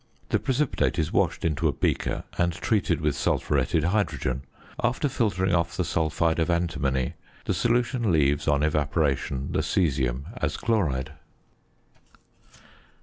The precipitate is washed into a beaker, and treated with sulphuretted hydrogen; after filtering off the sulphide of antimony, the solution leaves, on evaporation, the caesium as chloride.